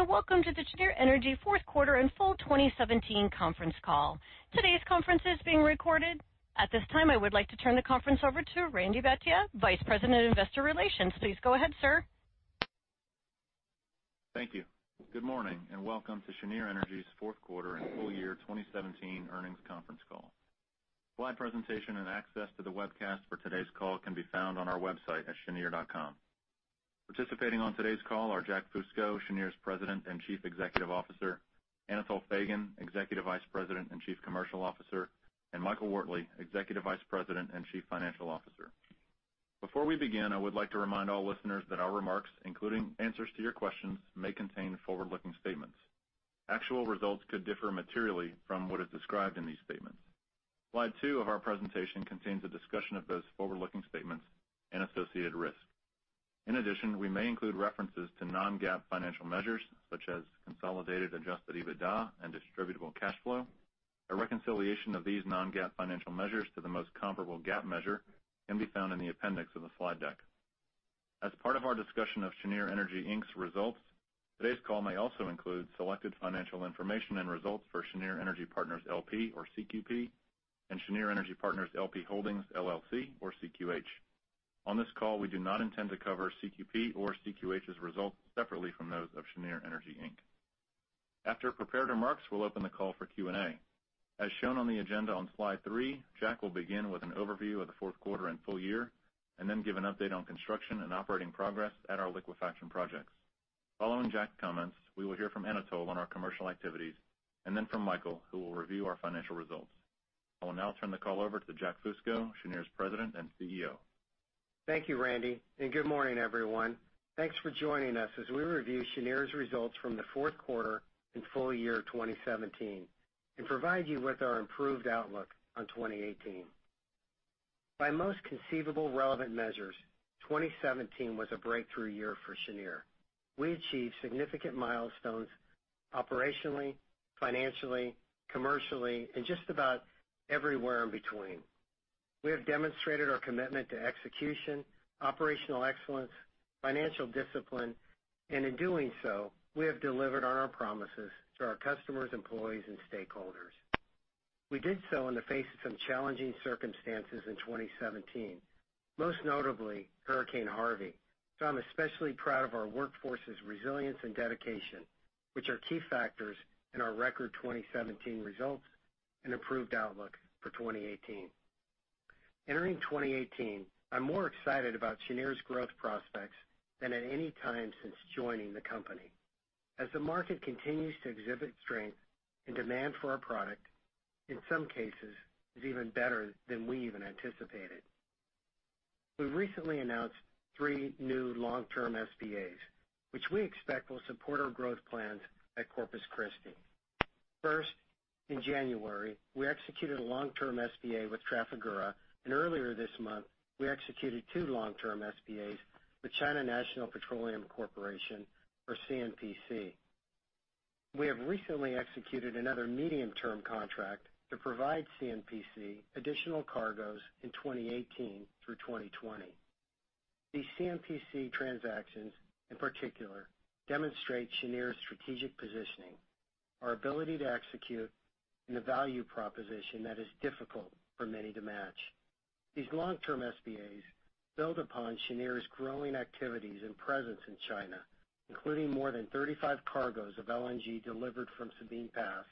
Good day. Welcome to the Cheniere Energy fourth quarter and full 2017 conference call. Today's conference is being recorded. At this time, I would like to turn the conference over to Randy Bhatia, Vice President of Investor Relations. Please go ahead, sir. Thank you. Good morning. Welcome to Cheniere Energy's fourth quarter and full year 2017 earnings conference call. Slide presentation and access to the webcast for today's call can be found on our website at cheniere.com. Participating on today's call are Jack Fusco, Cheniere's President and Chief Executive Officer, Anatol Feygin, Executive Vice President and Chief Commercial Officer, and Michael Wortley, Executive Vice President and Chief Financial Officer. Before we begin, I would like to remind all listeners that our remarks, including answers to your questions, may contain forward-looking statements. Actual results could differ materially from what is described in these statements. Slide two of our presentation contains a discussion of those forward-looking statements and associated risks. In addition, we may include references to non-GAAP financial measures such as consolidated adjusted EBITDA and distributable cash flow. A reconciliation of these non-GAAP financial measures to the most comparable GAAP measure can be found in the appendix of the slide deck. As part of our discussion of Cheniere Energy, Inc.'s results, today's call may also include selected financial information and results for Cheniere Energy Partners, L.P. or CQP, and Cheniere Energy Partners, L.P. Holdings, LLC or CQH. On this call, we do not intend to cover CQP or CQH's results separately from those of Cheniere Energy, Inc. After prepared remarks, we'll open the call for Q&A. As shown on the agenda on slide three, Jack will begin with an overview of the fourth quarter and full year and then give an update on construction and operating progress at our liquefaction projects. Following Jack's comments, we will hear from Anatol on our commercial activities, then from Michael, who will review our financial results. I will now turn the call over to Jack Fusco, Cheniere's President and CEO. Thank you, Randy. Good morning, everyone. Thanks for joining us as we review Cheniere's results from the fourth quarter and full year 2017 and provide you with our improved outlook on 2018. By most conceivable relevant measures, 2017 was a breakthrough year for Cheniere. We achieved significant milestones operationally, financially, commercially, and just about everywhere in between. We have demonstrated our commitment to execution, operational excellence, financial discipline, and in doing so, we have delivered on our promises to our customers, employees, and stakeholders. We did so in the face of some challenging circumstances in 2017, most notably Hurricane Harvey. I'm especially proud of our workforce's resilience and dedication, which are key factors in our record 2017 results and improved outlook for 2018. Entering 2018, I'm more excited about Cheniere's growth prospects than at any time since joining the company. The market continues to exhibit strength and demand for our product, in some cases, is even better than we even anticipated. We recently announced three new long-term SPAs, which we expect will support our growth plans at Corpus Christi. First, in January, we executed a long-term SPA with Trafigura. Earlier this month, we executed two long-term SPAs with China National Petroleum Corporation or CNPC. We have recently executed another medium-term contract to provide CNPC additional cargoes in 2018 through 2020. These CNPC transactions in particular demonstrate Cheniere's strategic positioning, our ability to execute, and a value proposition that is difficult for many to match. These long-term SPAs build upon Cheniere's growing activities and presence in China, including more than 35 cargoes of LNG delivered from Sabine Pass,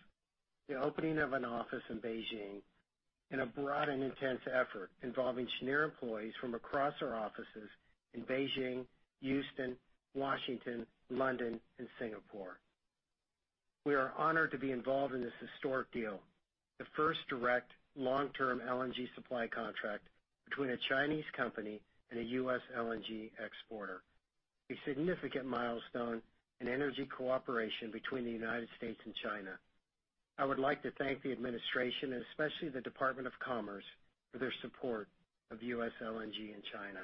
the opening of an office in Beijing, and a broad and intense effort involving Cheniere employees from across our offices in Beijing, Houston, Washington, London, and Singapore. We are honored to be involved in this historic deal, the first direct long-term LNG supply contract between a Chinese company and a U.S. LNG exporter, a significant milestone in energy cooperation between the United States and China. I would like to thank the administration and especially the Department of Commerce for their support of U.S. LNG in China.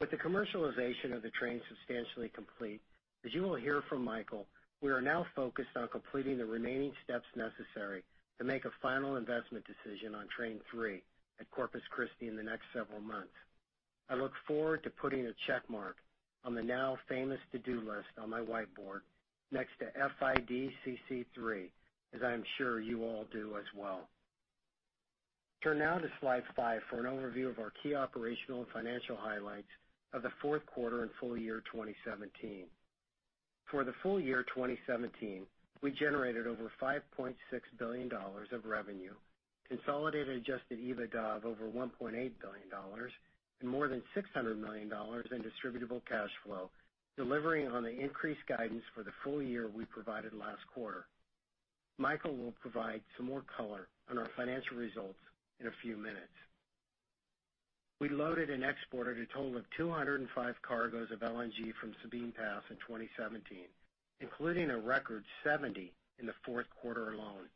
With the commercialization of the train substantially complete, as you will hear from Michael, we are now focused on completing the remaining steps necessary to make a final investment decision on train 3 at Corpus Christi in the next several months. I look forward to putting a check mark on the now famous to-do list on my whiteboard next to FID CC3, as I am sure you all do as well. Turn now to slide five for an overview of our key operational and financial highlights of the fourth quarter and full year 2017. For the full year 2017, we generated over $5.6 billion of revenue, consolidated adjusted EBITDA of over $1.8 billion and more than $600 million in distributable cash flow, delivering on the increased guidance for the full year we provided last quarter. Michael will provide some more color on our financial results in a few minutes. We loaded and exported a total of 205 cargoes of LNG from Sabine Pass in 2017, including a record 70 in the fourth quarter alone.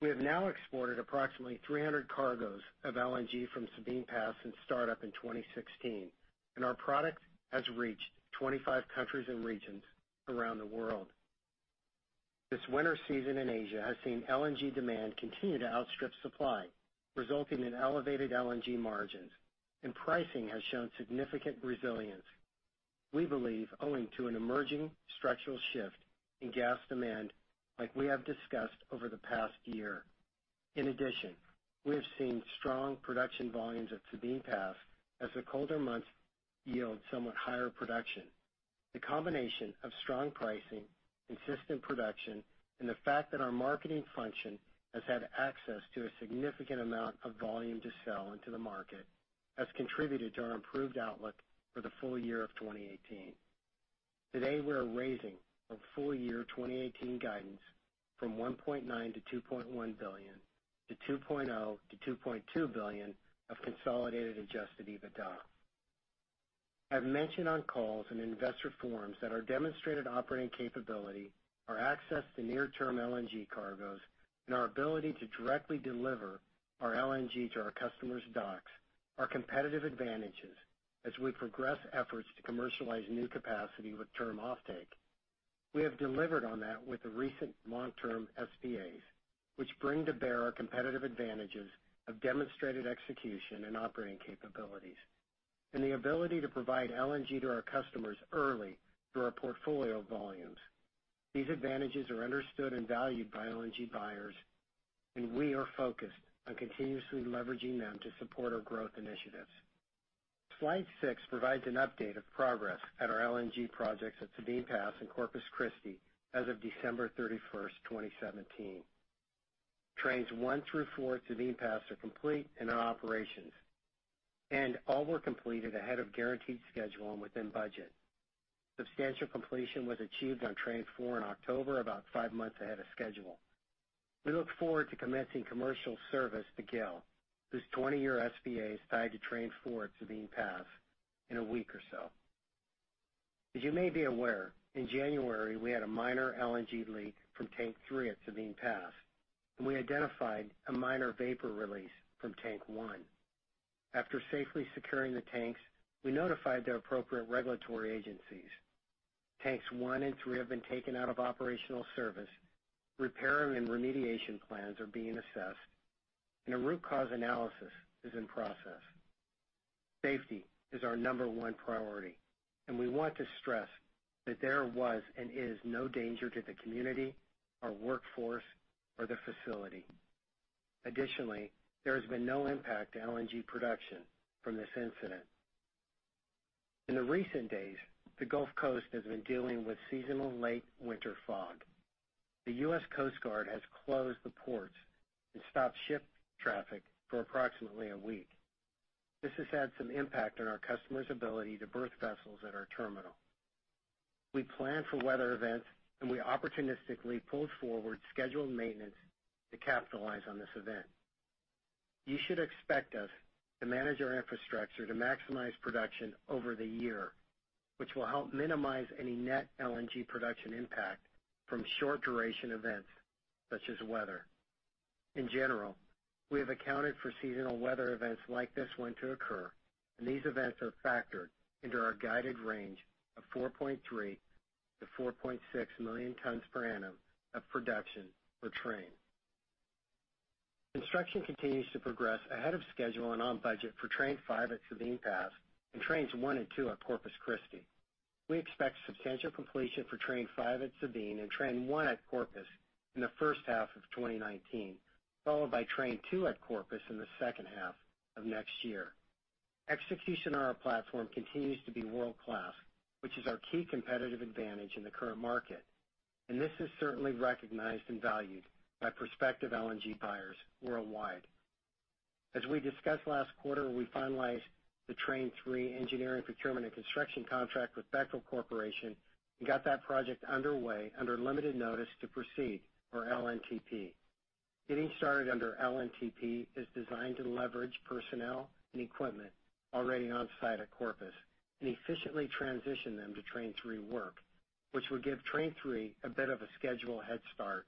We have now exported approximately 300 cargoes of LNG from Sabine Pass since startup in 2016, our product has reached 25 countries and regions around the world. This winter season in Asia has seen LNG demand continue to outstrip supply, resulting in elevated LNG margins, pricing has shown significant resilience. We believe owing to an emerging structural shift in gas demand like we have discussed over the past year. In addition, we have seen strong production volumes at Sabine Pass as the colder months yield somewhat higher production. The combination of strong pricing, consistent production, and the fact that our marketing function has had access to a significant amount of volume to sell into the market, has contributed to our improved outlook for the full year of 2018. Today, we are raising our full-year 2018 guidance from $1.9 billion-$2.1 billion to $2.0 billion-$2.2 billion of consolidated adjusted EBITDA. I've mentioned on calls and investor forums that our demonstrated operating capability, our access to near-term LNG cargoes, and our ability to directly deliver our LNG to our customers' docks are competitive advantages as we progress efforts to commercialize new capacity with term offtake. We have delivered on that with the recent long-term SPAs, which bring to bear our competitive advantages of demonstrated execution and operating capabilities and the ability to provide LNG to our customers early through our portfolio volumes. These advantages are understood and valued by LNG buyers, we are focused on continuously leveraging them to support our growth initiatives. Slide six provides an update of progress at our LNG projects at Sabine Pass and Corpus Christi as of December 31st, 2017. Trains one through four at Sabine Pass are complete and are in operations. All were completed ahead of guaranteed schedule and within budget. Substantial completion was achieved on Train 4 in October, about five months ahead of schedule. We look forward to commencing commercial service to GAIL, whose 20-year SPA is tied to Train 4 at Sabine Pass in a week or so. As you may be aware, in January, we had a minor LNG leak from tank 3 at Sabine Pass, We identified a minor vapor release from tank 1. After safely securing the tanks, we notified the appropriate regulatory agencies. Tanks 1 and 3 have been taken out of operational service. Repair and remediation plans are being assessed and a root cause analysis is in process. Safety is our number 1 priority, we want to stress that there was and is no danger to the community, our workforce, or the facility. Additionally, there has been no impact to LNG production from this incident. In the recent days, the Gulf Coast has been dealing with seasonal late winter fog. The U.S. Coast Guard has closed the ports and stopped ship traffic for approximately a week. This has had some impact on our customers' ability to berth vessels at our terminal. We plan for weather events, we opportunistically pulled forward scheduled maintenance to capitalize on this event. You should expect us to manage our infrastructure to maximize production over the year, which will help minimize any net LNG production impact from short-duration events such as weather. In general, we have accounted for seasonal weather events like this one to occur. These events are factored into our guided range of 4.3 million-4.6 million tons per annum of production per train. Construction continues to progress ahead of schedule and on budget for Train 5 at Sabine Pass and Trains 1 and 2 at Corpus Christi. We expect substantial completion for Train 5 at Sabine and Train 1 at Corpus in the first half of 2019, followed by Train 2 at Corpus in the second half of next year. Execution on our platform continues to be world-class, which is our key competitive advantage in the current market. This is certainly recognized and valued by prospective LNG buyers worldwide. As we discussed last quarter, we finalized the Train 3 engineering procurement and construction contract with Bechtel Corporation. We got that project underway under limited notice to proceed or LNTP. Getting started under LNTP is designed to leverage personnel and equipment already on-site at Corpus and efficiently transition them to Train 3 work, which would give Train 3 a bit of a schedule head start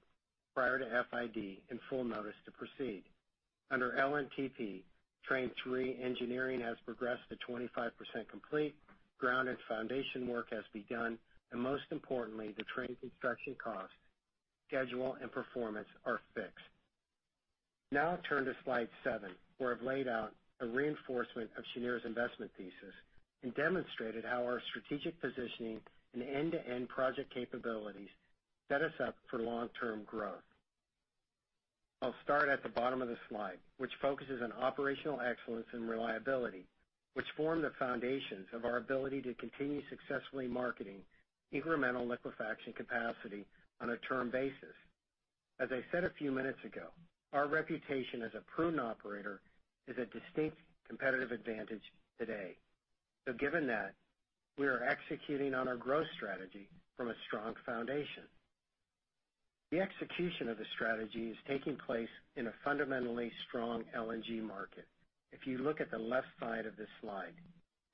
prior to FID and full notice to proceed. Under LNTP, Train 3 engineering has progressed to 25% complete. Ground and foundation work has begun. Most importantly, the train construction cost, schedule, and performance are fixed. Now I'll turn to slide seven, where I've laid out a reinforcement of Cheniere's investment thesis and demonstrated how our strategic positioning and end-to-end project capabilities set us up for long-term growth. I'll start at the bottom of the slide, which focuses on operational excellence and reliability, which form the foundations of our ability to continue successfully marketing incremental liquefaction capacity on a term basis. As I said a few minutes ago, our reputation as a prudent operator is a distinct competitive advantage today. Given that, we are executing on our growth strategy from a strong foundation. The execution of the strategy is taking place in a fundamentally strong LNG market. If you look at the left side of this slide,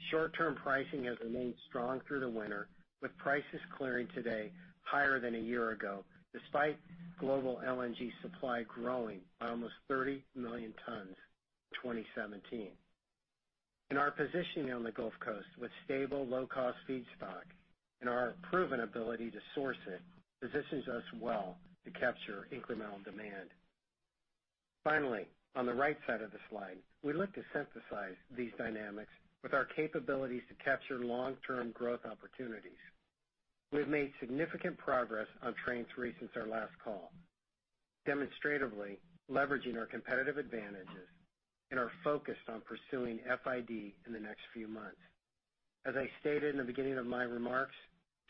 short-term pricing has remained strong through the winter, with prices clearing today higher than a year ago, despite global LNG supply growing by almost 30 million tons in 2017. Our positioning on the Gulf Coast with stable low-cost feedstock and our proven ability to source it positions us well to capture incremental demand. Finally, on the right side of the slide, we look to synthesize these dynamics with our capabilities to capture long-term growth opportunities. We have made significant progress on Train 3 since our last call, demonstratively leveraging our competitive advantages. We are focused on pursuing FID in the next few months. As I stated in the beginning of my remarks,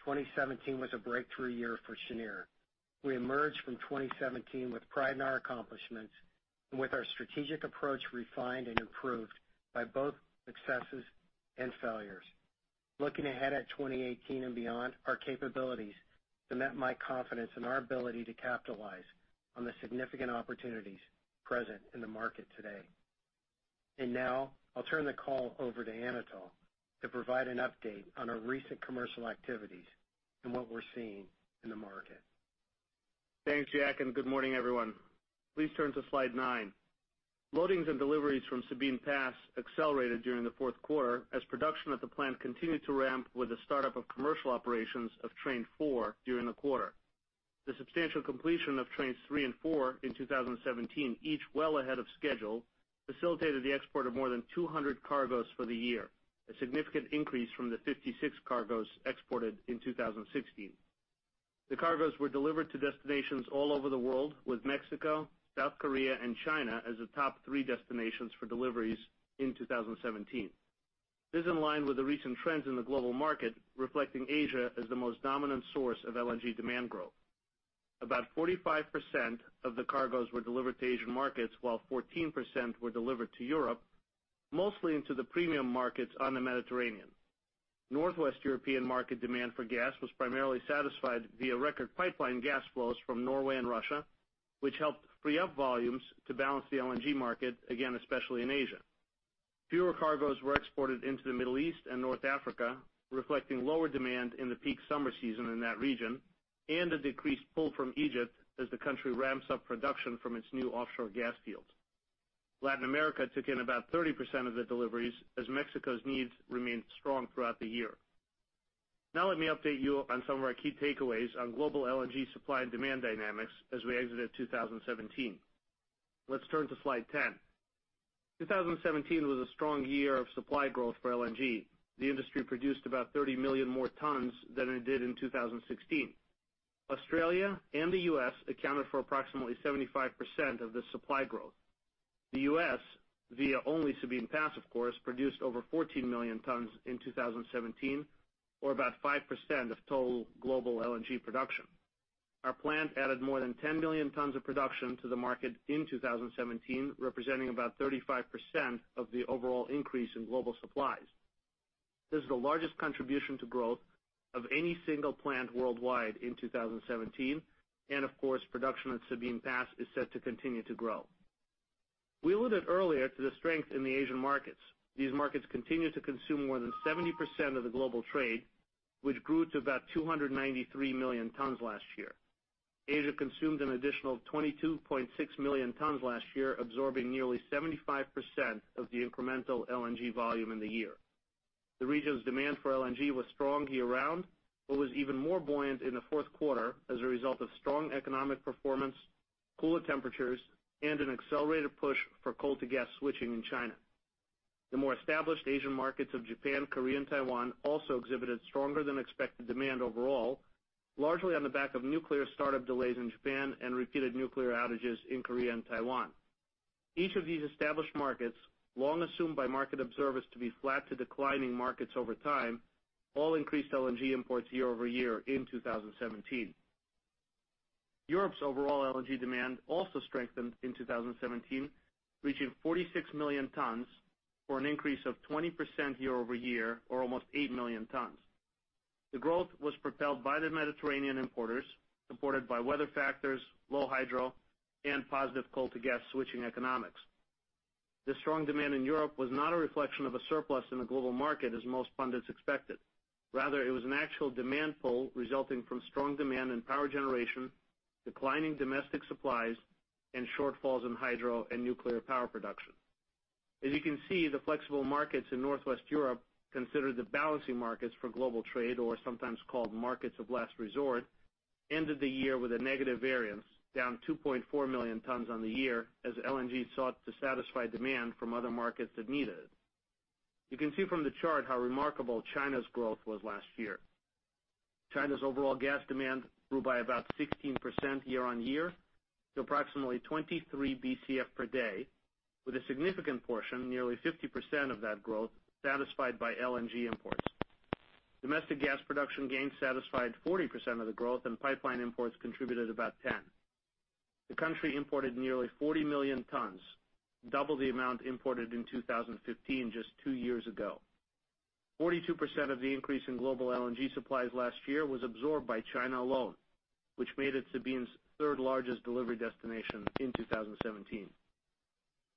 2017 was a breakthrough year for Cheniere. We emerged from 2017 with pride in our accomplishments and with our strategic approach refined and improved by both successes and failures. Looking ahead at 2018 and beyond, our capabilities cement my confidence in our ability to capitalize on the significant opportunities present in the market today. Now I'll turn the call over to Anatol to provide an update on our recent commercial activities and what we're seeing in the market. Thanks, Jack, and good morning, everyone. Please turn to Slide nine. Loadings and deliveries from Sabine Pass accelerated during the fourth quarter as production at the plant continued to ramp with the startup of commercial operations of Train 4 during the quarter. The substantial completion of Trains 3 and 4 in 2017, each well ahead of schedule, facilitated the export of more than 200 cargoes for the year, a significant increase from the 56 cargoes exported in 2016. The cargoes were delivered to destinations all over the world, with Mexico, South Korea, and China as the top three destinations for deliveries in 2017. This is in line with the recent trends in the global market, reflecting Asia as the most dominant source of LNG demand growth. About 45% of the cargoes were delivered to Asian markets, while 14% were delivered to Europe, mostly into the premium markets on the Mediterranean. Northwest European market demand for gas was primarily satisfied via record pipeline gas flows from Norway and Russia, which helped free up volumes to balance the LNG market, again, especially in Asia. Fewer cargoes were exported into the Middle East and North Africa, reflecting lower demand in the peak summer season in that region and a decreased pull from Egypt as the country ramps up production from its new offshore gas fields. Latin America took in about 30% of the deliveries as Mexico's needs remained strong throughout the year. Now let me update you on some of our key takeaways on global LNG supply and demand dynamics as we exited 2017. Let's turn to Slide 10. 2017 was a strong year of supply growth for LNG. The industry produced about 30 million more tons than it did in 2016. Australia and the U.S. accounted for approximately 75% of this supply growth. The U.S., via only Sabine Pass, of course, produced over 14 million tons in 2017, or about 5% of total global LNG production. Our plant added more than 10 million tons of production to the market in 2017, representing about 35% of the overall increase in global supplies. This is the largest contribution to growth of any single plant worldwide in 2017, and of course, production at Sabine Pass is set to continue to grow. We alluded earlier to the strength in the Asian markets. These markets continue to consume more than 70% of the global trade, which grew to about 293 million tons last year. Asia consumed an additional 22.6 million tons last year, absorbing nearly 75% of the incremental LNG volume in the year. The region's demand for LNG was strong year-round, but was even more buoyant in the fourth quarter as a result of strong economic performance, cooler temperatures, and an accelerated push for coal to gas switching in China. The more established Asian markets of Japan, Korea, and Taiwan also exhibited stronger than expected demand overall, largely on the back of nuclear startup delays in Japan and repeated nuclear outages in Korea and Taiwan. Each of these established markets, long assumed by market observers to be flat to declining markets over time, all increased LNG imports year-over-year in 2017. Europe's overall LNG demand also strengthened in 2017, reaching 46 million tons, or an increase of 20% year-over-year, or almost eight million tons. The growth was propelled by the Mediterranean importers, supported by weather factors, low hydro, and positive coal to gas switching economics. This strong demand in Europe was not a reflection of a surplus in the global market as most pundits expected. Rather, it was an actual demand pull resulting from strong demand in power generation, declining domestic supplies, and shortfalls in hydro and nuclear power production. As you can see, the flexible markets in Northwest Europe considered the balancing markets for global trade, or sometimes called markets of last resort, ended the year with a negative variance, down 2.4 million tons on the year as LNG sought to satisfy demand from other markets that need it. You can see from the chart how remarkable China's growth was last year. China's overall gas demand grew by about 16% year-on-year to approximately 23 Bcf per day, with a significant portion, nearly 50% of that growth, satisfied by LNG imports. Domestic gas production gains satisfied 40% of the growth and pipeline imports contributed about 10%. The country imported nearly 40 million tons, double the amount imported in 2015, just two years ago. 42% of the increase in global LNG supplies last year was absorbed by China alone, which made it Sabine's third-largest delivery destination in 2017.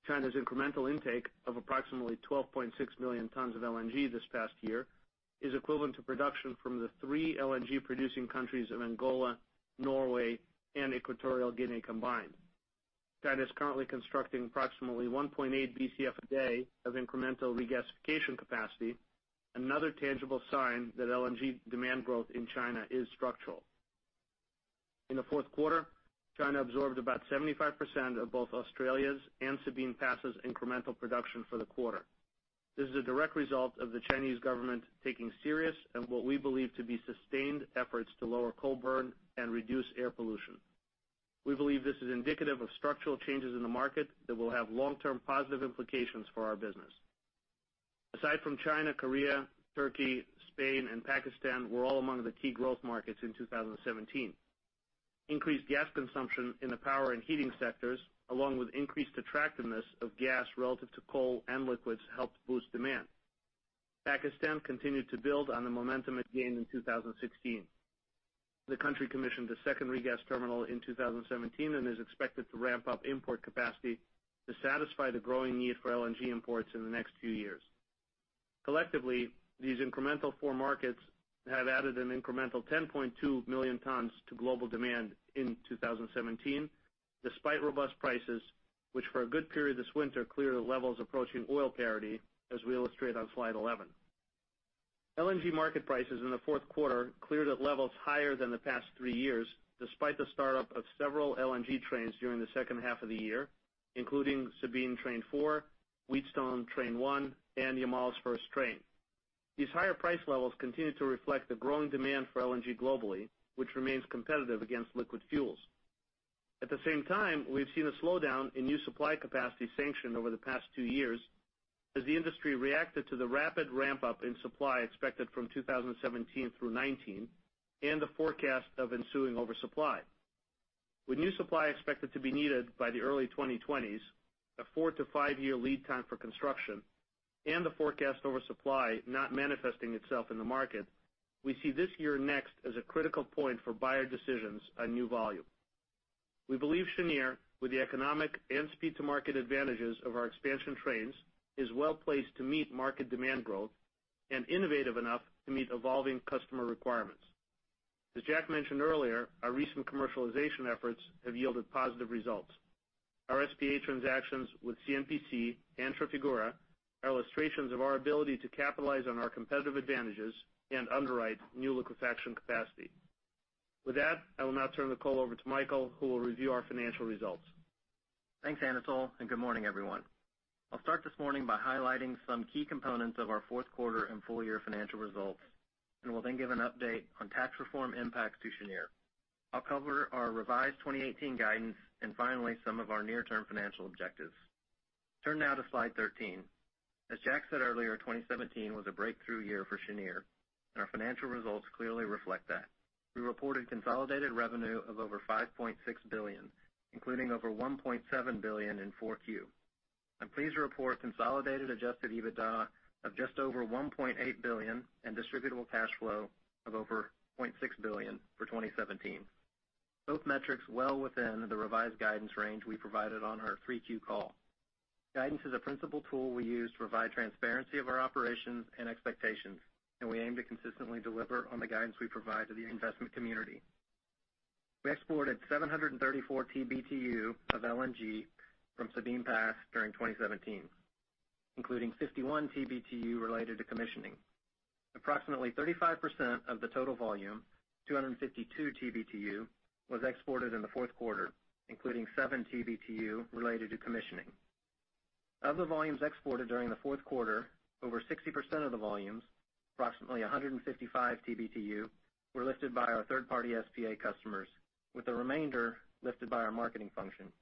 China's incremental intake of approximately 12.6 million tons of LNG this past year is equivalent to production from the three LNG-producing countries of Angola, Norway, and Equatorial Guinea combined. That is currently constructing approximately 1.8 Bcf a day of incremental regasification capacity, another tangible sign that LNG demand growth in China is structural. In the fourth quarter, China absorbed about 75% of both Australia's and Sabine Pass' incremental production for the quarter. This is a direct result of the Chinese government taking serious, and what we believe to be sustained efforts to lower coal burn and reduce air pollution. We believe this is indicative of structural changes in the market that will have long-term positive implications for our business. Aside from China, Korea, Turkey, Spain, and Pakistan were all among the key growth markets in 2017. Increased gas consumption in the power and heating sectors, along with increased attractiveness of gas relative to coal and liquids, helped boost demand. Pakistan continued to build on the momentum it gained in 2016. The country commissioned a second regas terminal in 2017 and is expected to ramp up import capacity to satisfy the growing need for LNG imports in the next few years. Collectively, these incremental four markets have added an incremental 10.2 million tons to global demand in 2017, despite robust prices, which for a good period this winter cleared at levels approaching oil parity, as we illustrate on slide 11. LNG market prices in the fourth quarter cleared at levels higher than the past three years, despite the start-up of several LNG trains during the second half of the year, including Sabine Train 4, Wheatstone Train 1, and Yamal's first train. These higher price levels continue to reflect the growing demand for LNG globally, which remains competitive against liquid fuels. At the same time, we've seen a slowdown in new supply capacity sanctioned over the past two years as the industry reacted to the rapid ramp-up in supply expected from 2017 through 2019 and the forecast of ensuing oversupply. With new supply expected to be needed by the early 2020s, a four-to-five-year lead time for construction and the forecast oversupply not manifesting itself in the market, we see this year next as a critical point for buyer decisions on new volume. We believe Cheniere, with the economic and speed to market advantages of our expansion trains, is well-placed to meet market demand growth and innovative enough to meet evolving customer requirements. As Jack mentioned earlier, our recent commercialization efforts have yielded positive results. Our SPA transactions with CNPC and Trafigura are illustrations of our ability to capitalize on our competitive advantages and underwrite new liquefaction capacity. With that, I will now turn the call over to Michael, who will review our financial results. Thanks, Anatol, and good morning, everyone. I'll start this morning by highlighting some key components of our fourth quarter and full-year financial results, and will then give an update on tax reform impacts to Cheniere. I'll cover our revised 2018 guidance and finally, some of our near-term financial objectives. Turn now to slide 13. As Jack said earlier, 2017 was a breakthrough year for Cheniere, and our financial results clearly reflect that. We reported consolidated revenue of over $5.6 billion, including over $1.7 billion in 4Q. I'm pleased to report consolidated adjusted EBITDA of just over $1.8 billion and distributable cash flow of over $0.6 billion for 2017. Both metrics well within the revised guidance range we provided on our 3Q call. Guidance is a principal tool we use to provide transparency of our operations and expectations, and we aim to consistently deliver on the guidance we provide to the investment community. We exported 734 TBtu of LNG from Sabine Pass during 2017, including 51 TBtu related to commissioning. Approximately 35% of the total volume, 252 TBtu, was exported in the fourth quarter, including seven TBtu related to commissioning. Of the volumes exported during the fourth quarter, over 60% of the volumes, approximately 155 TBtu, were lifted by our third-party SPA customers, with the remainder lifted by our marketing function.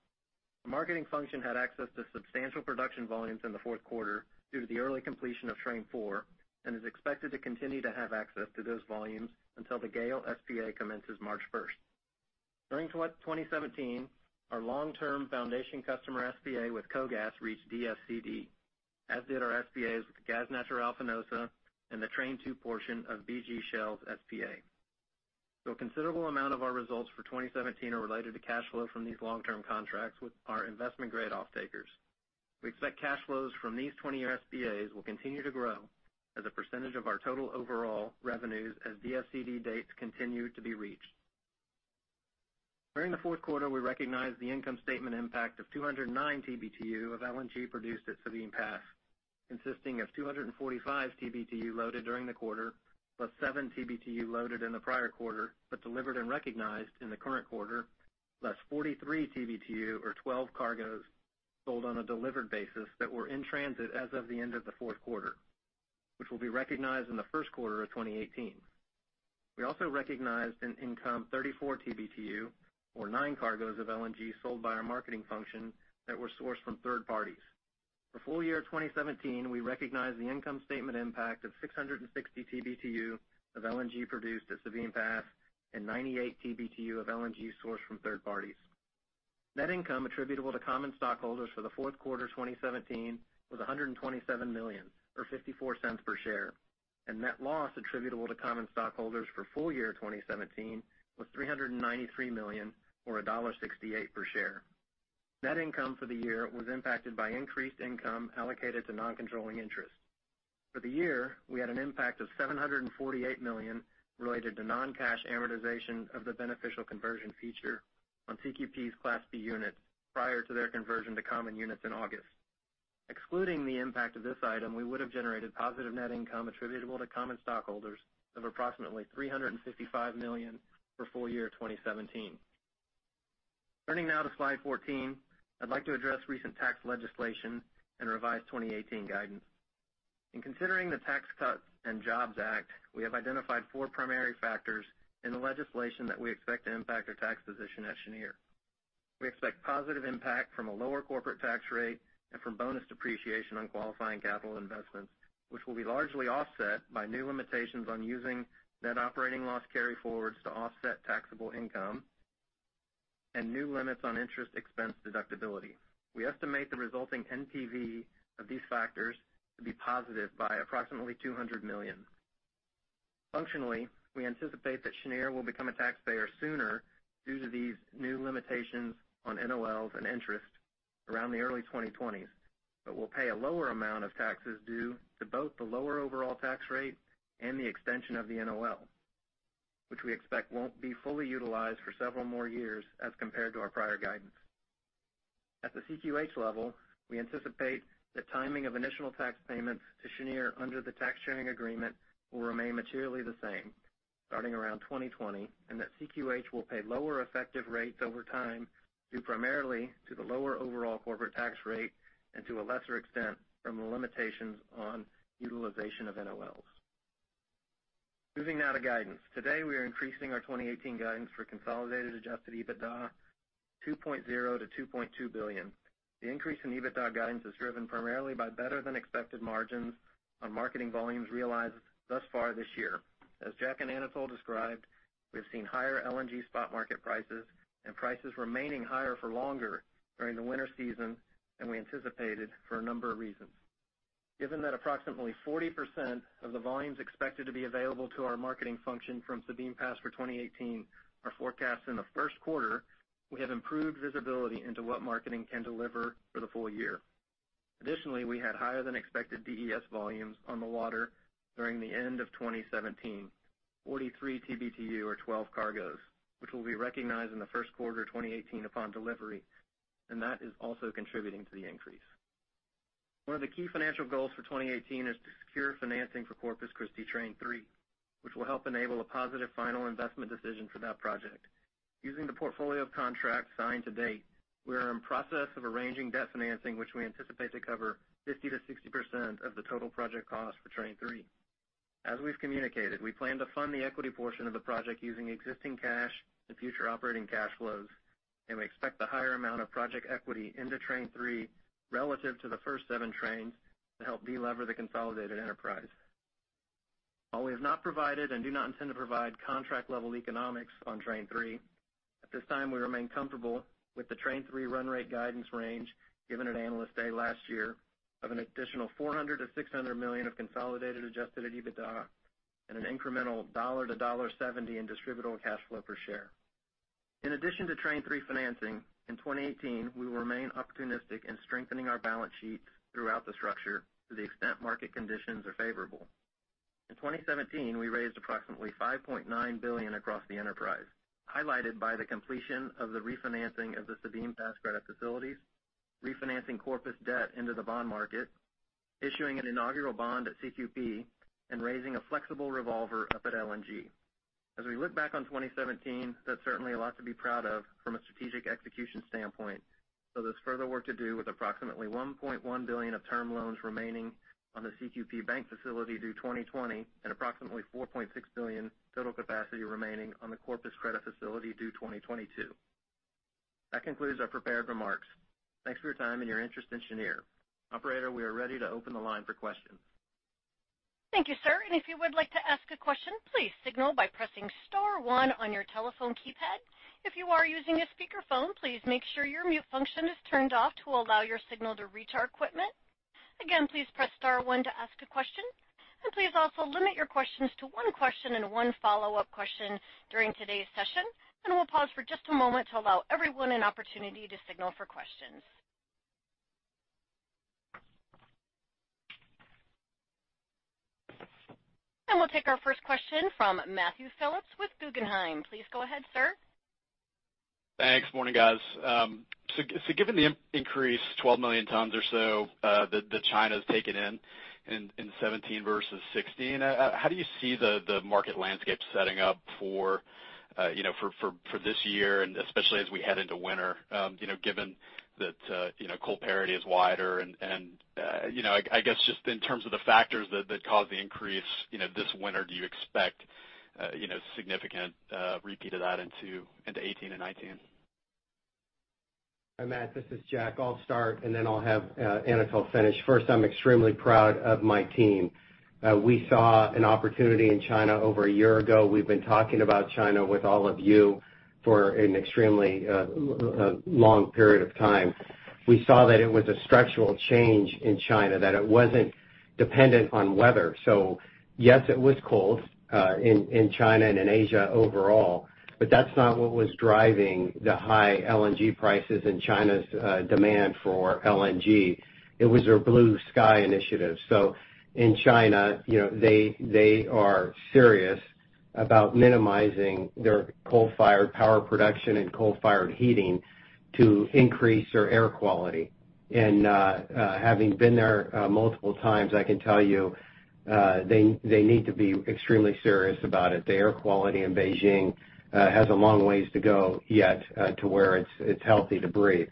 The marketing function had access to substantial production volumes in the fourth quarter due to the early completion of Train Four and is expected to continue to have access to those volumes until the GAIL SPA commences March 1st. During 2017, our long-term foundation customer SPA with KOGAS reached DFCD, as did our SPAs with Gas Natural Fenosa and the Train 2 portion of BG/Shell's SPA. A considerable amount of our results for 2017 are related to cash flow from these long-term contracts with our investment-grade off-takers. We expect cash flows from these 20-year SPAs will continue to grow as a percentage of our total overall revenues as DFCD dates continue to be reached. During the fourth quarter, we recognized the income statement impact of 209 TBtu of LNG produced at Sabine Pass, consisting of 245 TBtu loaded during the quarter, plus seven TBtu loaded in the prior quarter, but delivered and recognized in the current quarter, less 43 TBtu or 12 cargoes sold on a delivered basis that were in transit as of the end of the fourth quarter, which will be recognized in the first quarter of 2018. We also recognized in income 34 TBtu or nine cargoes of LNG sold by our marketing function that were sourced from third parties. For full-year 2017, we recognized the income statement impact of 660 TBtu of LNG produced at Sabine Pass and 98 TBtu of LNG sourced from third parties. Net income attributable to common stockholders for the fourth quarter 2017 was $127 million or $0.54 per share, and net loss attributable to common stockholders for full-year 2017 was $393 million or $1.68 per share. Net income for the year was impacted by increased income allocated to non-controlling interest. For the year, we had an impact of $748 million related to non-cash amortization of the beneficial conversion feature on CQP's Class B Units prior to their conversion to common units in August. Excluding the impact of this item, we would have generated positive net income attributable to common stockholders of approximately $355 million for full-year 2017. Turning now to slide 14, I'd like to address recent tax legislation and revised 2018 guidance. In considering the Tax Cuts and Jobs Act, we have identified four primary factors in the legislation that we expect to impact our tax position at Cheniere. We expect positive impact from a lower corporate tax rate and from bonus depreciation on qualifying capital investments, which will be largely offset by new limitations on using net operating loss carryforwards to offset taxable income and new limits on interest expense deductibility. We estimate the resulting NPV of these factors to be positive by approximately $200 million. Functionally, we anticipate that Cheniere will become a taxpayer sooner due to these new limitations on NOLs and interest around the early 2020s, but will pay a lower amount of taxes due to both the lower overall tax rate and the extension of the NOL, which we expect won't be fully utilized for several more years as compared to our prior guidance. At the CQH level, we anticipate the timing of initial tax payments to Cheniere under the tax sharing agreement will remain materially the same, starting around 2020, and that CQH will pay lower effective rates over time, due primarily to the lower overall corporate tax rate and to a lesser extent, from the limitations on utilization of NOLs. Moving now to guidance. Today we are increasing our 2018 guidance for consolidated adjusted EBITDA, $2.0 billion-$2.2 billion. The increase in EBITDA guidance is driven primarily by better than expected margins on marketing volumes realized thus far this year. As Jack and Anatol described, we have seen higher LNG spot market prices and prices remaining higher for longer during the winter season than we anticipated for a number of reasons. Given that approximately 40% of the volumes expected to be available to our marketing function from Sabine Pass for 2018 are forecast in the first quarter, we have improved visibility into what marketing can deliver for the full year. Additionally, we had higher than expected DES volumes on the water during the end of 2017, 43 TBtu or 12 cargos, which will be recognized in the first quarter 2018 upon delivery. That is also contributing to the increase. One of the key financial goals for 2018 is to secure financing for Corpus Christi Train 3, which will help enable a positive final investment decision for that project. Using the portfolio of contracts signed to date, we are in process of arranging debt financing, which we anticipate to cover 50%-60% of the total project cost for Train 3. As we've communicated, we plan to fund the equity portion of the project using existing cash and future operating cash flows. We expect the higher amount of project equity into Train 3 relative to the first seven trains to help de-lever the consolidated enterprise. While we have not provided and do not intend to provide contract-level economics on Train 3 at this time, we remain comfortable with the Train 3 run rate guidance range given at Analyst Day last year of an additional $400 million-$600 million of consolidated adjusted EBITDA and an incremental $1 to $1.70 in distributable cash flow per share. In addition to Train 3 financing, in 2018, we will remain opportunistic in strengthening our balance sheets throughout the structure to the extent market conditions are favorable. In 2017, we raised approximately $5.9 billion across the enterprise, highlighted by the completion of the refinancing of the Sabine Pass credit facilities, refinancing Corpus debt into the bond market, issuing an inaugural bond at CQP, raising a flexible revolver up at LNG. As we look back on 2017, that's certainly a lot to be proud of from a strategic execution standpoint. There's further work to do with approximately $1.1 billion of term loans remaining on the CQP bank facility due 2020 and approximately $4.6 billion total capacity remaining on the Corpus credit facility due 2022. That concludes our prepared remarks. Thanks for your time and your interest in Cheniere. Operator, we are ready to open the line for questions. Thank you, sir. If you would like to ask a question, please signal by pressing star one on your telephone keypad. If you are using a speakerphone, please make sure your mute function is turned off to allow your signal to reach our equipment. Again, please press star one to ask a question. Please also limit your questions to one question and one follow-up question during today's session. We'll pause for just a moment to allow everyone an opportunity to signal for questions. We'll take our first question from Matthew Phillips with Guggenheim. Please go ahead, sir. Thanks. Morning, guys. Given the increase, 12 million tons or so that China's taken in in 2017 versus 2016, how do you see the market landscape setting up for this year, and especially as we head into winter given that coal parity is wider and, I guess, just in terms of the factors that caused the increase this winter, do you expect significant repeat of that into 2018 and 2019? Hi, Matt. This is Jack. I'll start, and then I'll have Anatol finish. First, I'm extremely proud of my team. We saw an opportunity in China over a year ago. We've been talking about China with all of you for an extremely long period of time. We saw that it was a structural change in China, that it wasn't dependent on weather. Yes, it was cold in China and in Asia overall, but that's not what was driving the high LNG prices and China's demand for LNG. It was their Blue Sky Initiative. In China, they are serious About minimizing their coal-fired power production and coal-fired heating to increase their air quality. Having been there multiple times, I can tell you, they need to be extremely serious about it. The air quality in Beijing has a long ways to go yet to where it's healthy to breathe.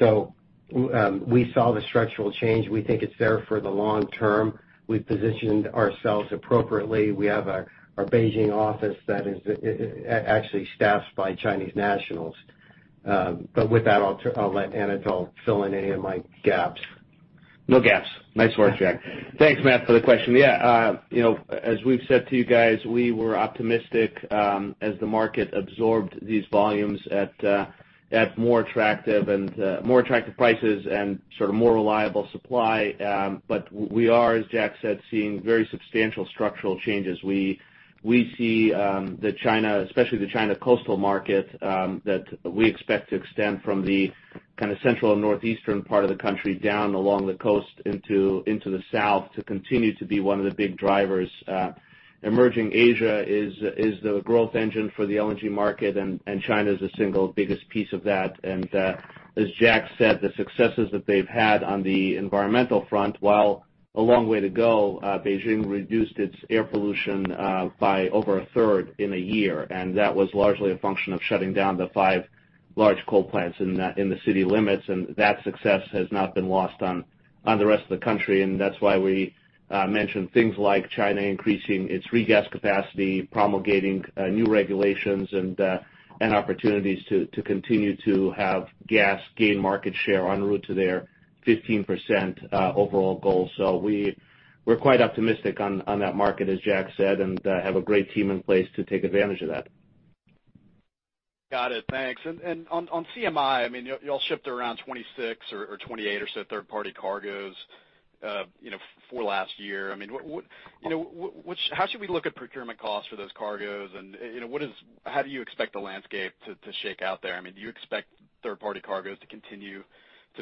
We saw the structural change. We think it's there for the long term. We've positioned ourselves appropriately. We have our Beijing office that is actually staffed by Chinese nationals. With that, I'll let Anatol fill in any of my gaps. No gaps. Nice work, Jack. Thanks, Matt, for the question. Yeah. As we've said to you guys, we were optimistic as the market absorbed these volumes at more attractive prices and more reliable supply. We are, as Jack said, seeing very substantial structural changes. We see the China, especially the China coastal market, that we expect to extend from the kind of central and northeastern part of the country down along the coast into the south to continue to be one of the big drivers. Emerging Asia is the growth engine for the LNG market, and China's the single biggest piece of that. As Jack said, the successes that they've had on the environmental front, while a long way to go, Beijing reduced its air pollution by over a third in a year, that was largely a function of shutting down the five large coal plants in the city limits, that success has not been lost on the rest of the country. That's why we mentioned things like China increasing its regas capacity, promulgating new regulations and opportunities to continue to have gas gain market share en route to their 15% overall goal. We're quite optimistic on that market, as Jack said, and have a great team in place to take advantage of that. Got it. Thanks. On CMI, you all shipped around 26 or 28 or so third-party cargoes for last year. How should we look at procurement costs for those cargoes, how do you expect the landscape to shake out there? Do you expect third-party cargoes to continue to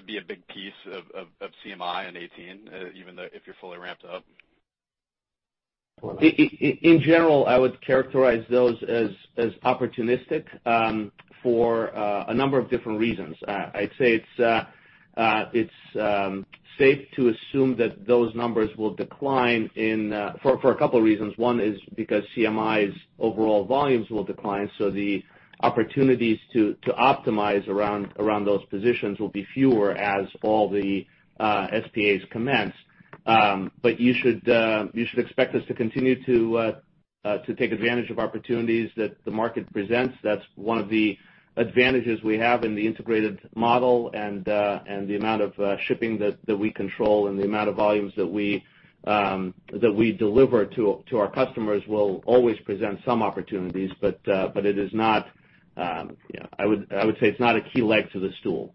be a big piece of CMI in 2018, even though if you're fully ramped up? In general, I would characterize those as opportunistic for a number of different reasons. I'd say it's safe to assume that those numbers will decline for a couple of reasons. One is because CMI's overall volumes will decline, the opportunities to optimize around those positions will be fewer as all the SPAs commence. You should expect us to continue to take advantage of opportunities that the market presents. That's one of the advantages we have in the integrated model, the amount of shipping that we control and the amount of volumes that we deliver to our customers will always present some opportunities. I would say it's not a key leg to the stool.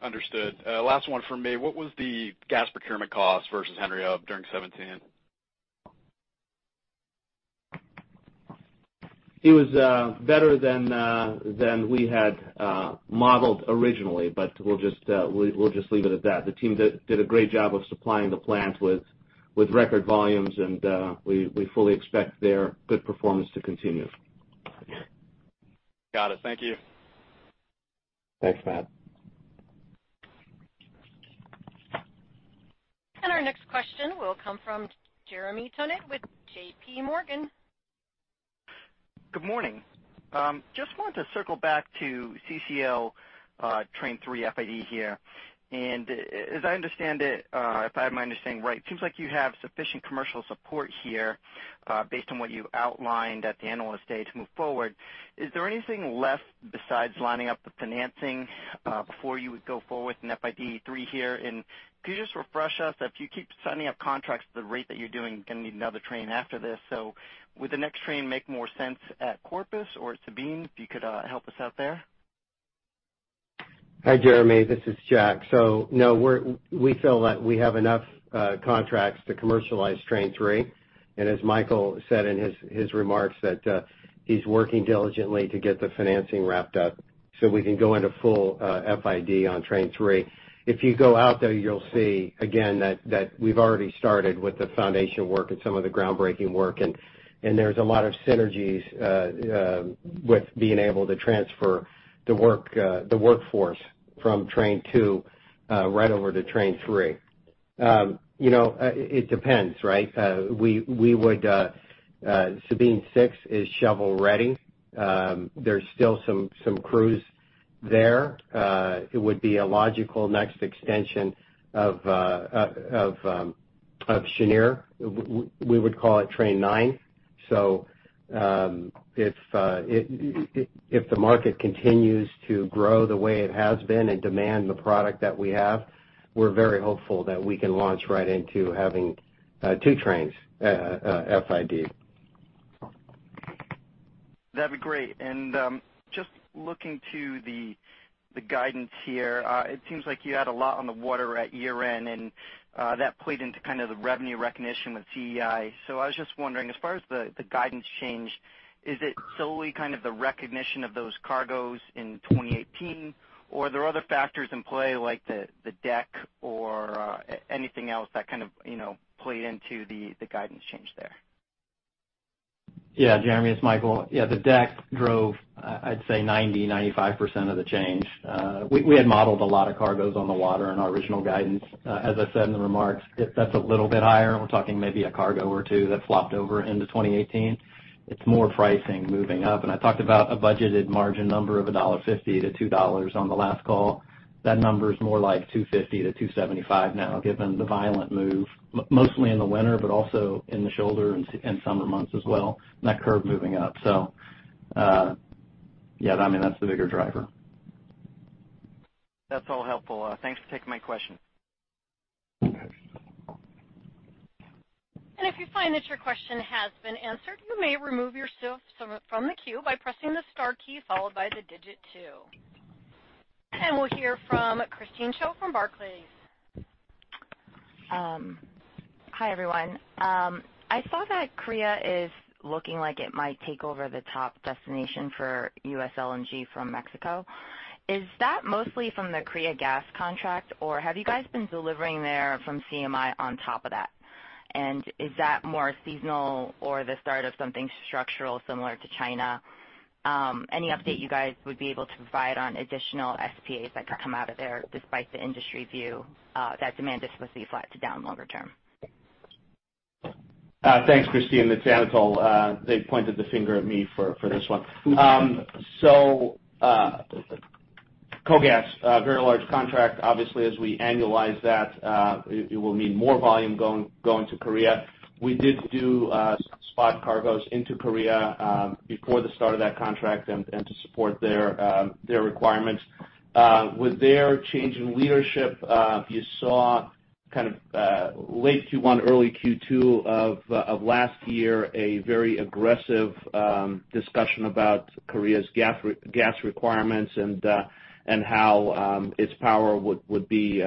Understood. Last one from me. What was the gas procurement cost versus Henry Hub during 2017? It was better than we had modeled originally, but we'll just leave it at that. The team did a great job of supplying the plant with record volumes, and we fully expect their good performance to continue. Got it. Thank you. Thanks, Matt. Our next question will come from Jeremy Tonet with JPMorgan. Good morning. Just wanted to circle back to CCL Train 3 FID here. As I understand it, if I have my understanding right, it seems like you have sufficient commercial support here based on what you outlined at the Analyst Day to move forward. Is there anything left besides lining up the financing before you would go forward with an FID 3 here? Could you just refresh us if you keep signing up contracts at the rate that you're doing, you're going to need another train after this. Would the next train make more sense at Corpus or Sabine? If you could help us out there. Hi, Jeremy. This is Jack. No, we feel that we have enough contracts to commercialize Train 3. As Michael said in his remarks, that he's working diligently to get the financing wrapped up so we can go into full FID on Train 3. If you go out there, you'll see again that we've already started with the foundation work and some of the groundbreaking work, and there's a lot of synergies with being able to transfer the workforce from Train 2 right over to Train 3. It depends, right? Sabine 6 is shovel-ready. There's still some crews there. It would be a logical next extension of Cheniere. We would call it Train 9. If the market continues to grow the way it has been and demand the product that we have, we're very hopeful that we can launch right into having two trains FID'd. That'd be great. Just looking to the guidance here. It seems like you had a lot on the water at year-end, and that played into kind of the revenue recognition with CEI. I was just wondering, as far as the guidance change, is it solely kind of the recognition of those cargoes in 2018? Or are there other factors in play like the deck or anything else that kind of played into the guidance change there? Yeah, Jeremy, it's Michael. The deck drove, I'd say 90%-95% of the change. We had modeled a lot of cargoes on the water in our original guidance. As I said in the remarks, if that's a little bit higher, we're talking maybe a cargo or two that flopped over into 2018. It's more pricing moving up. I talked about a budgeted margin number of $1.50 to $2 on the last call. That number is more like $2.50 to $2.75 now, given the violent move, mostly in the winter, but also in the shoulder and summer months as well, and that curve moving up. Yeah, that's the bigger driver. That's all helpful. Thanks for taking my question. If you find that your question has been answered, you may remove yourself from the queue by pressing the star key followed by the 2. We'll hear from Christine Cho from Barclays. Hi, everyone. I saw that Korea is looking like it might take over the top destination for U.S. LNG from Mexico. Is that mostly from the Korea gas contract, or have you guys been delivering there from CMI on top of that? Is that more seasonal or the start of something structural similar to China? Any update you guys would be able to provide on additional SPAs that could come out of there despite the industry view that demand is supposed to be flat to down longer term? Thanks, Christine. It's Anatol. They pointed the finger at me for this one. KOGAS, very large contract. Obviously, as we annualize that, it will mean more volume going to Korea. We did do spot cargoes into Korea before the start of that contract and to support their requirements. With their change in leadership, you saw late Q1, early Q2 of last year a very aggressive discussion about Korea's gas requirements and how its power would be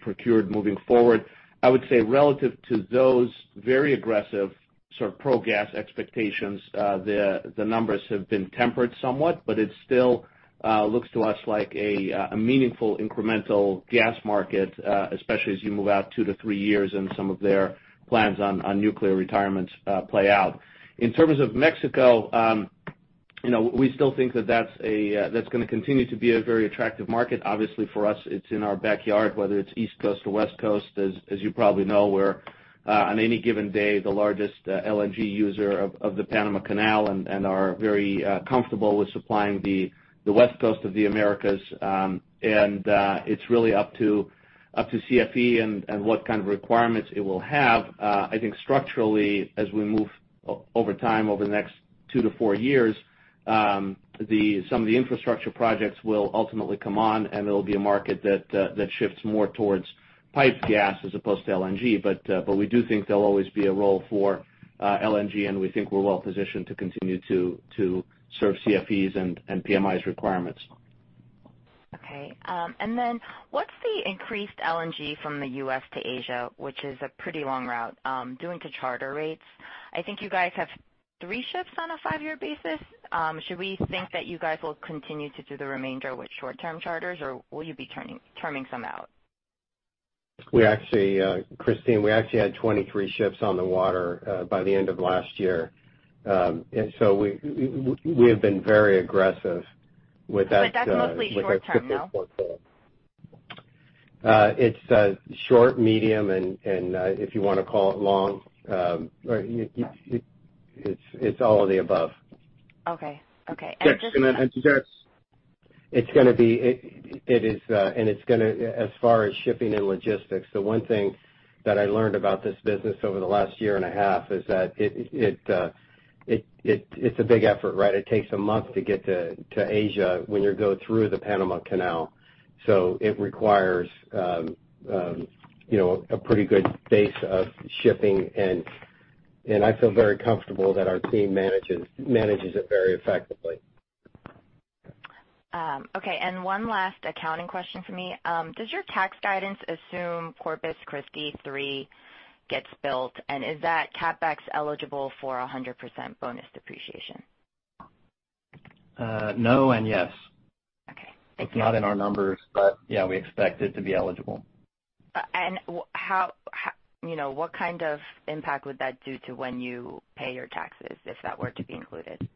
procured moving forward. I would say relative to those very aggressive sort of pro-gas expectations, the numbers have been tempered somewhat, but it still looks to us like a meaningful incremental gas market, especially as you move out two to three years and some of their plans on nuclear retirements play out. In terms of Mexico, we still think that that's going to continue to be a very attractive market. Obviously, for us, it's in our backyard, whether it's East Coast or West Coast. As you probably know, we're, on any given day, the largest LNG user of the Panama Canal and are very comfortable with supplying the West Coast of the Americas. It's really up to CFE and what kind of requirements it will have. I think structurally, as we move over time over the next 2 to 4 years, some of the infrastructure projects will ultimately come on, and it'll be a market that shifts more towards pipe gas as opposed to LNG. We do think there'll always be a role for LNG, and we think we're well-positioned to continue to serve CFE's and PMI's requirements. Okay. What's the increased LNG from the U.S. to Asia, which is a pretty long route, doing to charter rates? I think you guys have 3 ships on a 5-year basis. Should we think that you guys will continue to do the remainder with short-term charters, or will you be terming some out? Christine, we actually had 23 ships on the water by the end of last year. We have been very aggressive with that. That's mostly short-term, though. with our ships going forward. It's short, medium, and if you want to call it long, it's all of the above. Okay. To that. As far as shipping and logistics, the one thing that I learned about this business over the last year and a half is that it's a big effort, right? It takes a month to get to Asia when you go through the Panama Canal. It requires a pretty good base of shipping, and I feel very comfortable that our team manages it very effectively. Okay. One last accounting question for me. Does your tax guidance assume Corpus Christi 3 gets built, and is that CapEx eligible for 100% bonus depreciation? No and yes. Okay. Thank you. It's not in our numbers, but yeah, we expect it to be eligible. What kind of impact would that do to when you pay your taxes if that were to be included?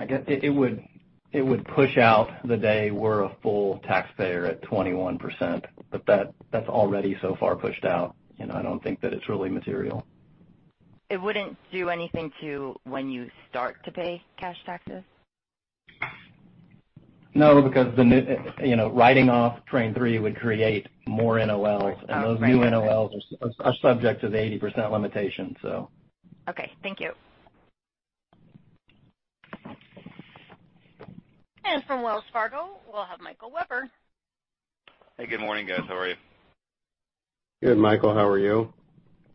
It would push out the day we're a full taxpayer at 21%, but that's already so far pushed out. I don't think that it's really material. It wouldn't do anything to when you start to pay cash taxes? No, because writing off Train 3 would create more NOLs. Oh, right. Those new NOLs are subject to the 80% limitation. Okay. Thank you. From Wells Fargo, we'll have Michael Webber. Hey, good morning, guys. How are you? Good, Michael. How are you?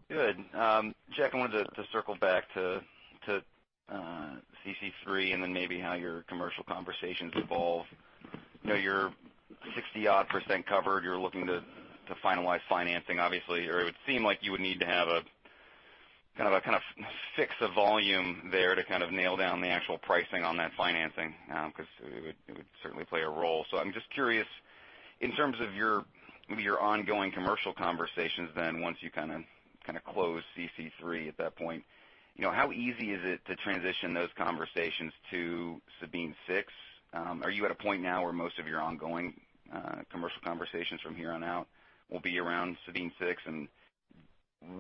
Good. Jack, I wanted to circle back to CC3 and then maybe how your commercial conversations evolve. You're 60-odd% covered. You're looking to finalize financing, obviously. It would seem like you would need to have a kind of fix of volume there to kind of nail down the actual pricing on that financing, because it would certainly play a role. I'm just curious In terms of your ongoing commercial conversations once you close CC3 at that point, how easy is it to transition those conversations to Sabine Pass 6? Are you at a point now where most of your ongoing commercial conversations from here on out will be around Sabine Pass 6, and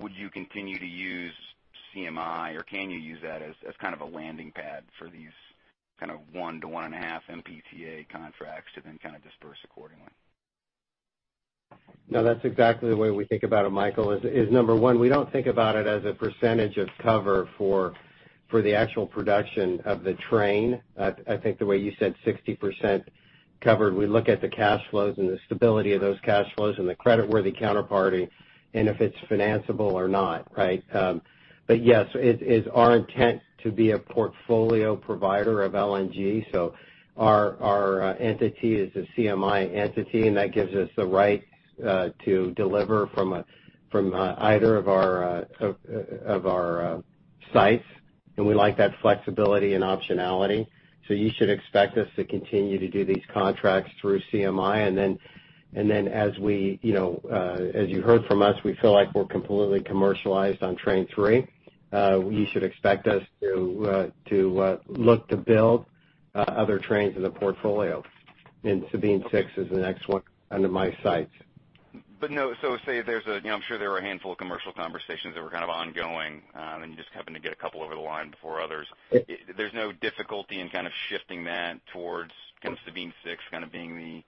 would you continue to use CMI or can you use that as a landing pad for these one-to-one and a half MTPA contracts to then disperse accordingly? No, that's exactly the way we think about it, Michael, is number one, we don't think about it as a percentage of cover for the actual production of the train. I think the way you said 60% covered, we look at the cash flows and the stability of those cash flows and the creditworthy counterparty and if it's financeable or not. Yes, it is our intent to be a portfolio provider of LNG. Our entity is a CMI entity, and that gives us the right to deliver from either of our sites, and we like that flexibility and optionality. You should expect us to continue to do these contracts through CMI. Then as you heard from us, we feel like we're completely commercialized on Train 3. You should expect us to look to build other trains in the portfolio, Sabine Pass 6 is the next one under my sights. I'm sure there were a handful of commercial conversations that were ongoing, you just happen to get a couple over the line before others. There's no difficulty in shifting that towards Sabine Pass 6 being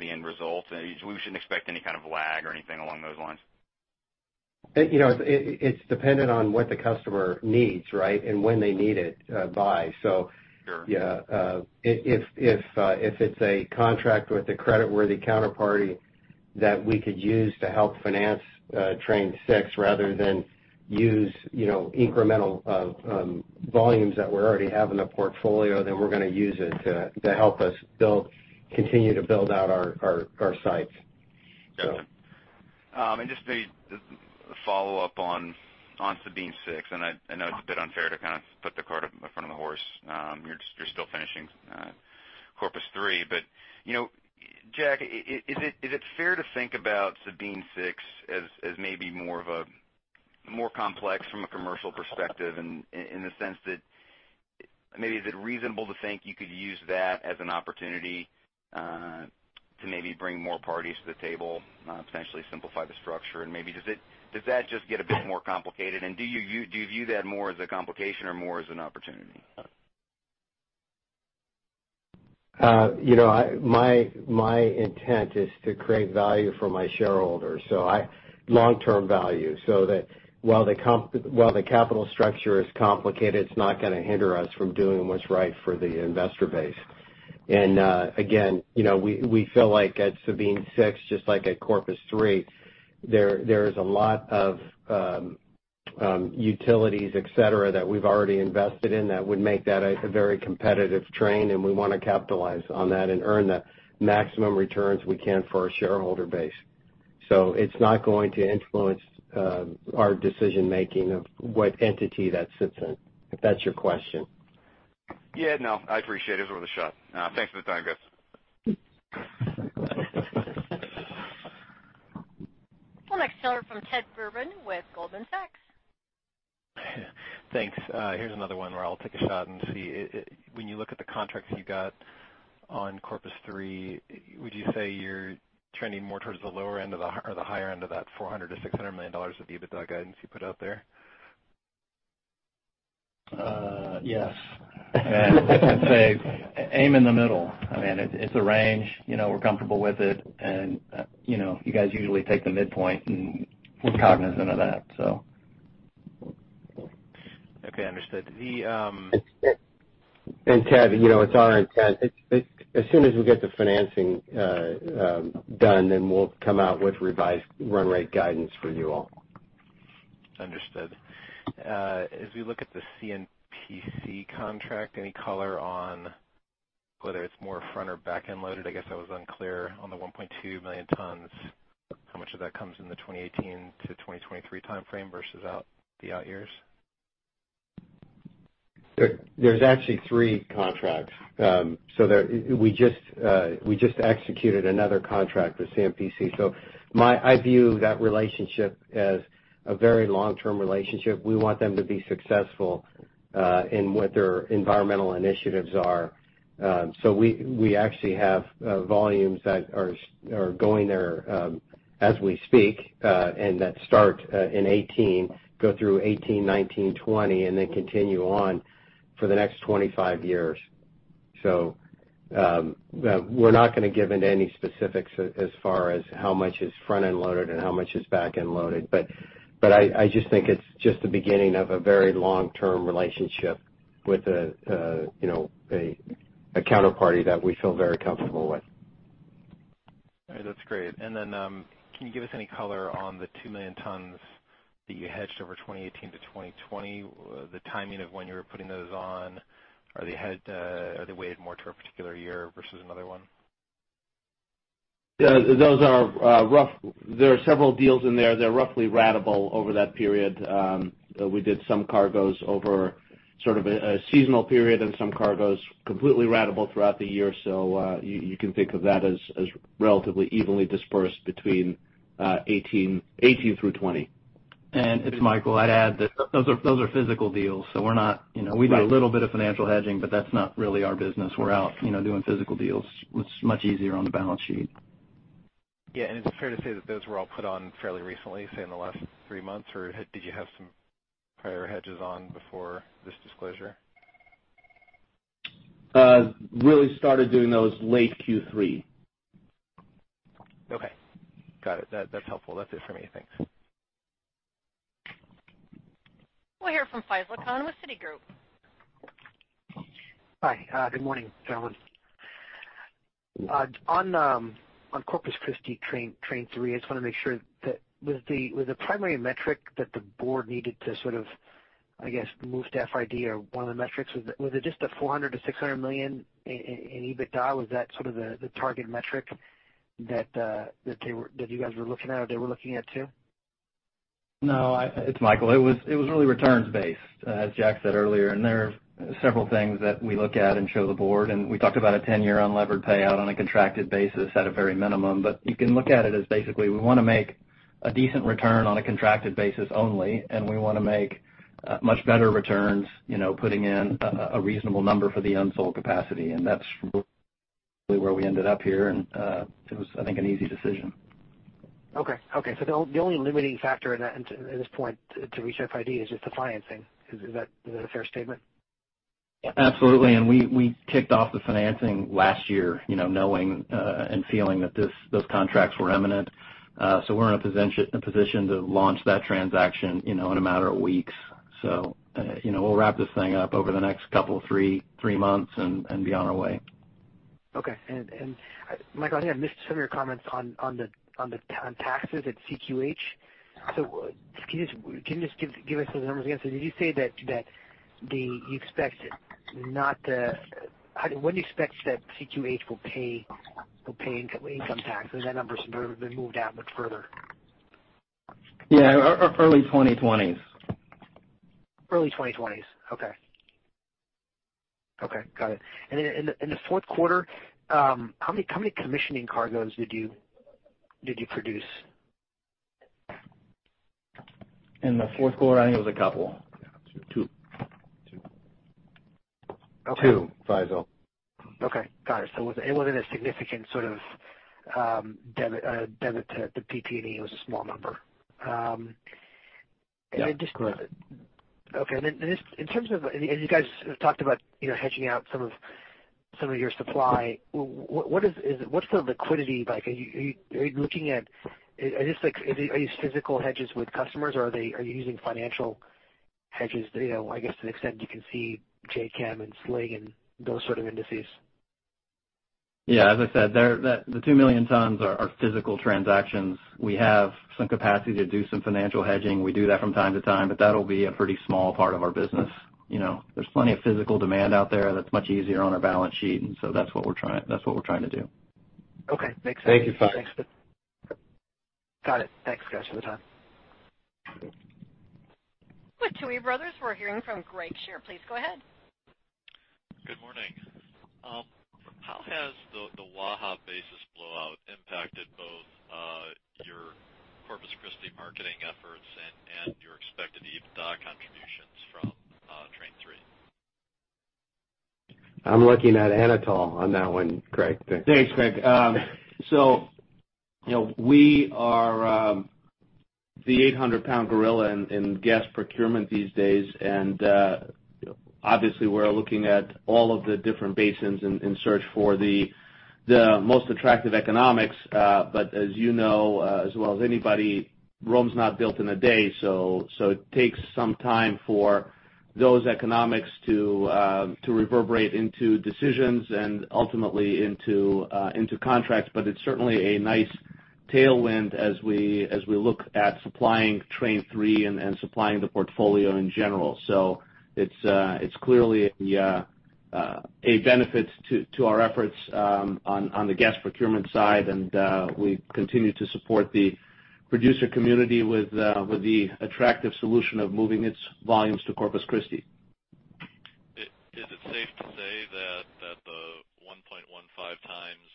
the end result. We shouldn't expect any kind of lag or anything along those lines? It's dependent on what the customer needs and when they need it by. Sure. If it's a contract with a creditworthy counterparty that we could use to help finance Train 6 rather than use incremental volumes that we already have in the portfolio, then we're going to use it to help us continue to build out our sites. Got it. Just maybe a follow-up on Sabine Pass 6. I know it's a bit unfair to put the cart in front of the horse. You're still finishing Corpus 3. Jack, is it fair to think about Sabine Pass 6 as maybe more complex from a commercial perspective in the sense that maybe is it reasonable to think you could use that as an opportunity to maybe bring more parties to the table, potentially simplify the structure? Maybe does that just get a bit more complicated? Do you view that more as a complication or more as an opportunity? My intent is to create value for my shareholders, long-term value. While the capital structure is complicated, it's not going to hinder us from doing what's right for the investor base. Again, we feel like at Sabine Pass 6, just like at Corpus 3, there is a lot of utilities, et cetera, that we've already invested in that would make that a very competitive train. We want to capitalize on that and earn the maximum returns we can for our shareholder base. It's not going to influence our decision-making of what entity that sits in, if that's your question. Yeah. No, I appreciate it. It was worth a shot. Thanks for the time, guys. Our next caller from Ted Durbin with Goldman Sachs. Thanks. Here's another one where I'll take a shot and see. When you look at the contracts you got on Corpus 3, would you say you're trending more towards the lower end or the higher end of that $400 million-$600 million of EBITDA guidance you put out there? Yes. I'd say aim in the middle. It's a range. We're comfortable with it, and you guys usually take the midpoint, and we're cognizant of that. Okay, understood. Ted, it's our intent, as soon as we get the financing done, then we'll come out with revised run rate guidance for you all. Understood. As we look at the CNPC contract, any color on whether it's more front or back-end loaded? I guess I was unclear on the 1.2 million tons, how much of that comes in the 2018 to 2023 timeframe versus the out years? There's actually three contracts. We just executed another contract with CNPC. I view that relationship as a very long-term relationship. We want them to be successful in what their environmental initiatives are. We actually have volumes that are going there as we speak, and that start in 2018, go through 2018, 2019, 2020, and then continue on for the next 25 years. We're not going to give into any specifics as far as how much is front-end loaded and how much is back-end loaded, I just think it's just the beginning of a very long-term relationship with a counterparty that we feel very comfortable with. All right. That's great. Can you give us any color on the two million tons that you hedged over 2018 to 2020, the timing of when you were putting those on? Are they weighted more to a particular year versus another one? There are several deals in there that are roughly ratable over that period. We did some cargoes over a seasonal period and some cargoes completely ratable throughout the year. You can think of that as relatively evenly dispersed between 2018 through 2020. It's Michael. I'd add that those are physical deals, so we do a little bit of financial hedging, but that's not really our business. We're out doing physical deals. It's much easier on the balance sheet. Yeah. Is it fair to say that those were all put on fairly recently, say, in the last three months? Did you have some prior hedges on before this disclosure? Really started doing those late Q3. Okay. Got it. That's helpful. That's it for me. Thanks. We'll hear from Faisel Khan with Citigroup. Hi. Good morning, gentlemen. On Corpus Christi Train 3, I just want to make sure that with the primary metric that the board needed to sort of, I guess, move to FID or one of the metrics, was it just the $400 million-$600 million in EBITDA? Was that sort of the target metric that you guys were looking at, or they were looking at too? No, it's Michael. It was really returns-based, as Jack said earlier. There are several things that we look at and show the board, and we talked about a 10-year unlevered payout on a contracted basis at a very minimum. You can look at it as basically, we want to make a decent return on a contracted basis only, and we want to make much better returns putting in a reasonable number for the unsold capacity. That's really where we ended up here, and it was, I think, an easy decision. Okay. The only limiting factor in that at this point to reach FID is just the financing. Is that a fair statement? Absolutely. We kicked off the financing last year knowing and feeling that those contracts were imminent. We're in a position to launch that transaction in a matter of weeks. We'll wrap this thing up over the next couple three months and be on our way. Okay. Michael, I think I missed some of your comments on taxes at CQH. Can you just give us those numbers again? Did you say that when do you expect that CQH will pay income tax? Or that number's been moved out much further? Yeah. Early 2020s. Early 2020s. Okay. Got it. In the fourth quarter, how many commissioning cargoes did you produce? In the fourth quarter, I think it was a couple. Yeah. two. two, Faisel. Okay. Got it. It wasn't a significant sort of debit to PP&E, it was a small number. Yeah. Correct. Okay. You guys have talked about hedging out some of your supply. What's the liquidity like? Are you looking at physical hedges with customers, or are you using financial hedges, I guess, to the extent you can see JKM and SLInG and those sort of indices? Yeah, as I said, the 2 million tons are physical transactions. We have some capacity to do some financial hedging. We do that from time to time, but that'll be a pretty small part of our business. There's plenty of physical demand out there that's much easier on our balance sheet, that's what we're trying to do. Okay. Makes sense. Thank you, Faisel. Got it. Thanks, guys, for the time. With Tuohy Brothers, we're hearing from Craig Shere. Please go ahead. Good morning. How has the Waha basis blowout impacted both your Corpus Christi marketing efforts and your expected EBITDA contributions from Train 3? I'm looking at Anatol on that one, Craig. Thanks, Craig. We are the 800-pound gorilla in gas procurement these days. Obviously, we're looking at all of the different basins in search for the most attractive economics. As you know as well as anybody, Rome's not built in a day, it takes some time for those economics to reverberate into decisions and ultimately into contracts. It's certainly a nice tailwind as we look at supplying Train 3 and supplying the portfolio in general. It's clearly a benefit to our efforts on the gas procurement side, and we continue to support the producer community with the attractive solution of moving its volumes to Corpus Christi. Is it safe to say that the 1.15 times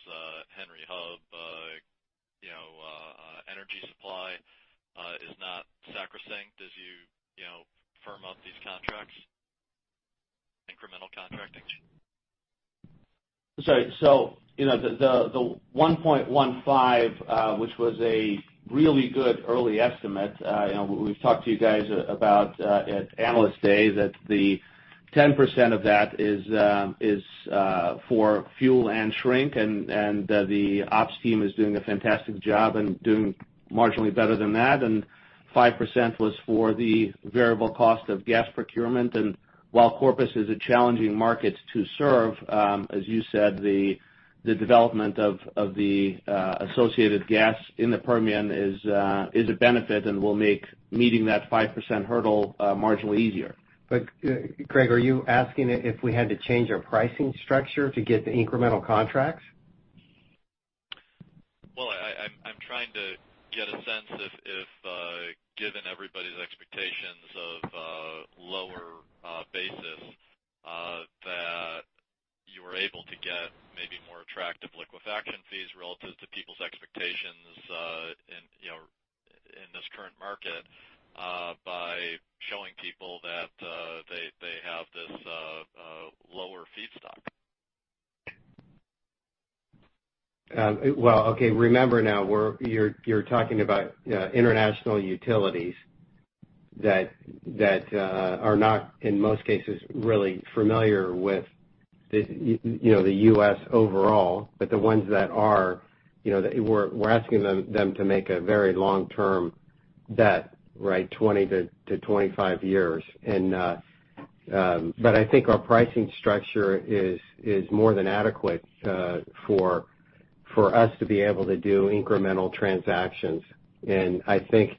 Henry Hub energy supply is not sacrosanct as you firm up these contracts? Incremental contracting? Sorry. The 1.15, which was a really good early estimate, we've talked to you guys about at Analyst Day, that the 10% of that is for fuel and shrink, the ops team is doing a fantastic job and doing marginally better than that. 5% was for the variable cost of gas procurement. While Corpus is a challenging market to serve, as you said, the development of the associated gas in the Permian is a benefit and will make meeting that 5% hurdle marginally easier. Craig, are you asking if we had to change our pricing structure to get the incremental contracts? Well, I'm trying to get a sense if given everybody's expectations in this current market by showing people that they have this lower feedstock. Well, okay. Remember now, you're talking about international utilities that are not, in most cases, really familiar with the U.S. overall, but the ones that are, we're asking them to make a very long-term bet, 20-25 years. I think our pricing structure is more than adequate for us to be able to do incremental transactions. I think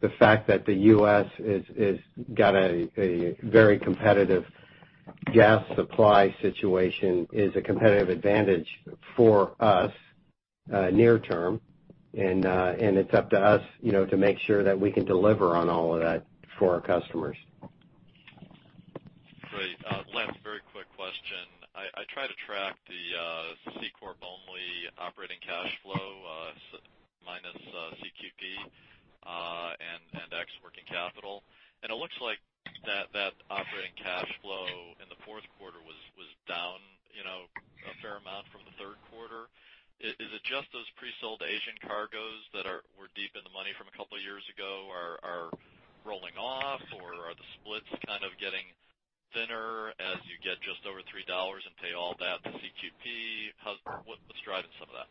the fact that the U.S. has got a very competitive gas supply situation is a competitive advantage for us near-term, and it's up to us to make sure that we can deliver on all of that for our customers. Great. Last very quick question. I try to track the C corp only operating cash flow minus CQP and ex working capital, and it looks like that operating cash flow in the fourth quarter was down a fair amount from the third quarter. Is it just those pre-sold Asian cargoes that were deep in the money from a couple of years ago are rolling off, or are the splits kind of getting thinner as you get just over $3 and pay all that to CQP? What's driving some of that?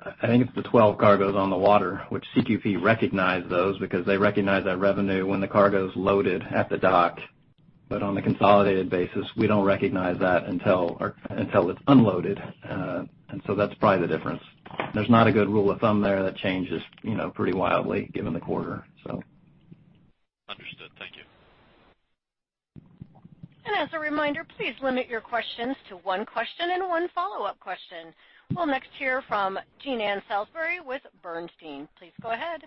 I think it's the 12 cargoes on the water, which CQP recognized those because they recognize that revenue when the cargo's loaded at the dock. But on a consolidated basis, we don't recognize that until it's unloaded. That's probably the difference. There's not a good rule of thumb there. That changes pretty wildly given the quarter. Understood. Thank you. As a reminder, please limit your questions to one question and one follow-up question. We'll next hear from Jean Ann Salisbury with Bernstein. Please go ahead.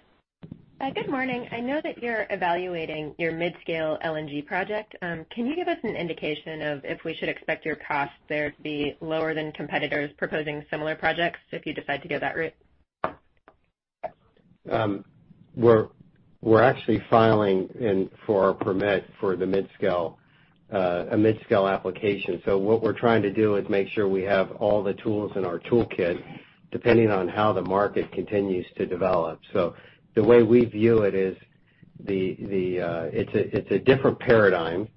Good morning. I know that you're evaluating your mid-scale LNG project. Can you give us an indication of if we should expect your cost there to be lower than competitors proposing similar projects if you decide to go that route? We're actually filing in for our permit for the mid-scale application. What we're trying to do is make sure we have all the tools in our toolkit depending on how the market continues to develop. The way we view it is it's a different paradigm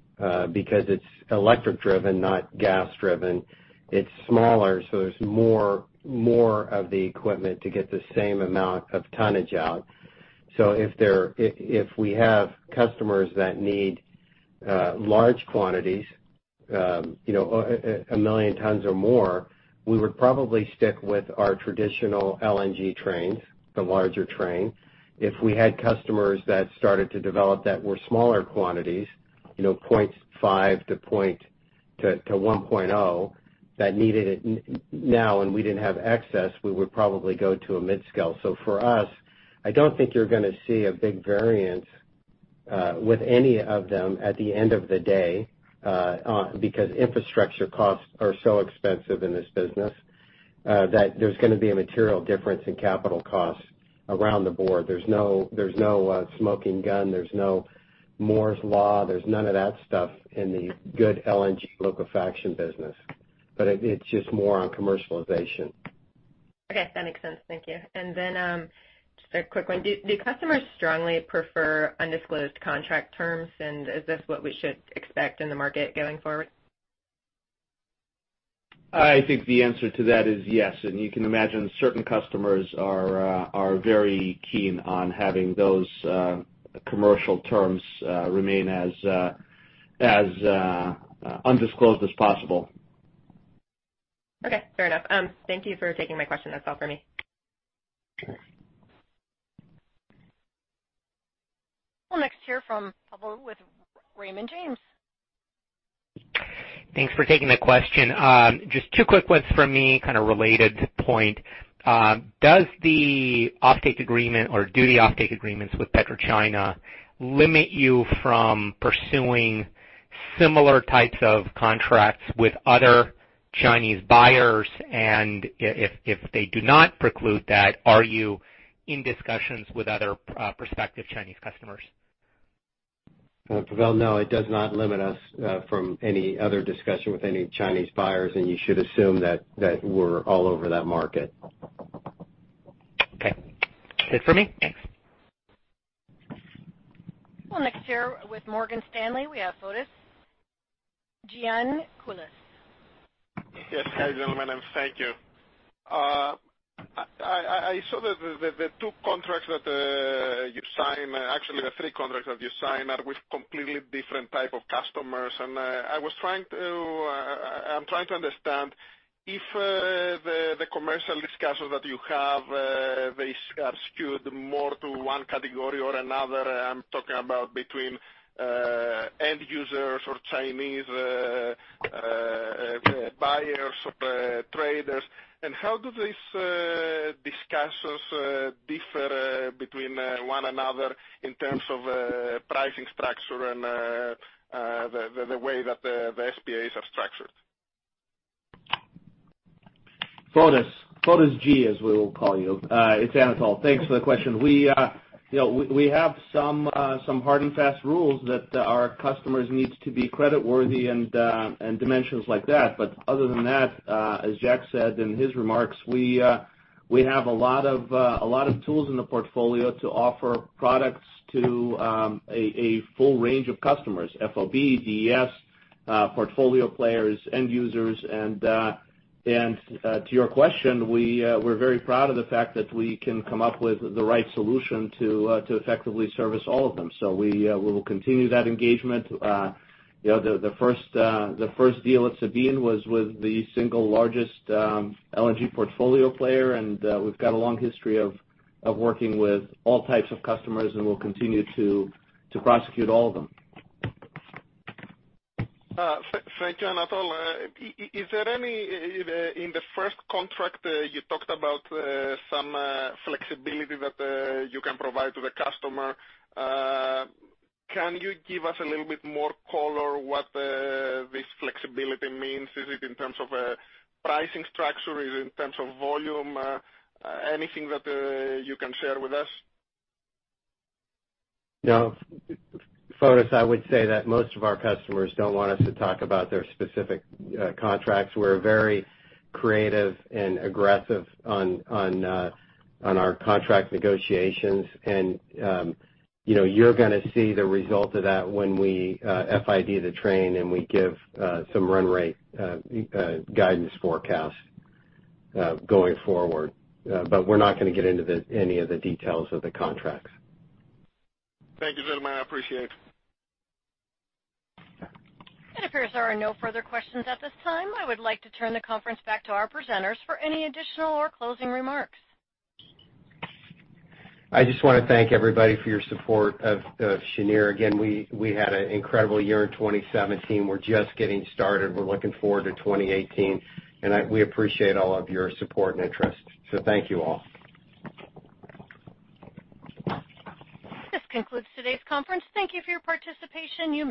because it's electric-driven, not gas-driven. It's smaller, so there's more of the equipment to get the same amount of tonnage out. If we have customers that need large quantities, a million tons or more, we would probably stick with our traditional LNG trains, the larger train. If we had customers that started to develop that were smaller quantities, 0.5 to 1.0 that needed it now, and we didn't have excess, we would probably go to a mid-scale. For us, I don't think you're going to see a big variance with any of them at the end of the day because infrastructure costs are so expensive in this business that there's going to be a material difference in capital costs around the board. There's no smoking gun. There's no Moore's Law. There's none of that stuff in the good LNG liquefaction business. It's just more on commercialization. Okay, that makes sense. Thank you. Just a quick one. Do customers strongly prefer undisclosed contract terms, and is this what we should expect in the market going forward? I think the answer to that is yes. You can imagine certain customers are very keen on having those commercial terms remain as undisclosed as possible. Okay, fair enough. Thank you for taking my question. That's all for me. Okay. We'll next hear from Pavel with Raymond James. Thanks for taking the question. Just two quick ones from me, kind of related point. Does the offtake agreement, or do the offtake agreements with PetroChina limit you from pursuing similar types of contracts with other Chinese buyers? If they do not preclude that, are you in discussions with other prospective Chinese customers? Pavel, no, it does not limit us from any other discussion with any Chinese buyers. You should assume that we're all over that market. Okay. That's it for me. Thanks. We'll next hear with Morgan Stanley. We have Fotis Giannakoulis. Yes. Hi, gentlemen. Thank you. I saw that the two contracts that you signed, actually the three contracts that you signed, are with completely different type of customers. I'm trying to understand if the commercial discussions that you have, they are skewed more to one category or another. I'm talking about between end users or Chinese buyers or traders. How do these discussions differ between one another in terms of pricing structure and the way that the SPAs are structured? Fotis G., as we will call you. It's Anatol. Thanks for the question. We have some hard and fast rules that our customers need to be credit worthy and dimensions like that. Other than that, as Jack said in his remarks, we have a lot of tools in the portfolio to offer products to a full range of customers, FOB, DES, portfolio players, end users. To your question, we're very proud of the fact that we can come up with the right solution to effectively service all of them. We will continue that engagement. The first deal at Sabine was with the single largest LNG portfolio player, we've got a long history of working with all types of customers, and we'll continue to prosecute all of them. Thank you, Anatol. In the first contract you talked about some flexibility that you can provide to the customer. Can you give us a little bit more color what this flexibility means? Is it in terms of pricing structure? Is it in terms of volume? Anything that you can share with us? No. Fotis, I would say that most of our customers don't want us to talk about their specific contracts. You're very creative and aggressive on our contract negotiations, and you're going to see the result of that when we FID the train and we give some run rate guidance forecast going forward. We're not going to get into any of the details of the contracts. Thank you, gentlemen. I appreciate it. It appears there are no further questions at this time. I would like to turn the conference back to our presenters for any additional or closing remarks. I just want to thank everybody for your support of Cheniere. Again, we had an incredible year in 2017. We're just getting started. We're looking forward to 2018, and we appreciate all of your support and interest. Thank you all. This concludes today's conference. Thank you for your participation. You may disconnect.